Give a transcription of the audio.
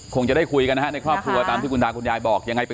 คงจะได้คุยกันนะฮะในครอบครัวตามที่คุณตาคุณยายบอกยังไง